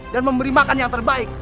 dan memberi makan yang terbaik